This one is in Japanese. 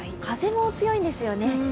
風も強いんですよね。